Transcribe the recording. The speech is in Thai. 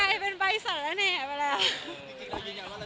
แต่ถ้าพี่พ้ามึงจะช่วยเรา